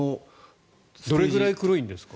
どれぐらい黒いんですかね？